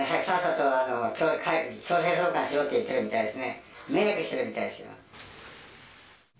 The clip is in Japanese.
さっさと強制送還しろっていってるみたいですね。